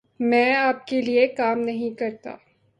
میں آپ کے لئے کام نہیں کرتا۔